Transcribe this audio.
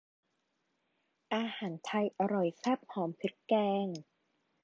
อาหารไทยอร่อยแซ่บหอมพริกแกง